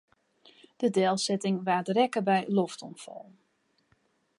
De delsetting waard rekke by loftoanfallen.